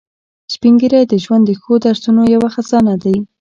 سپین ږیری د ژوند د ښو درسونو یو خزانه دي